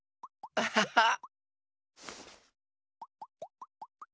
アハハハッ。